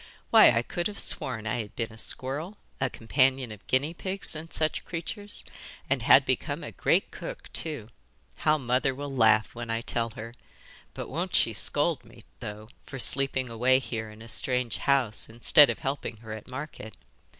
'Why, I could have sworn I had been a squirrel, a companion of guinea pigs and such creatures, and had become a great cook, too. How mother will laugh when I tell her! But won't she scold me, though, for sleeping away here in a strange house, instead of helping her at market!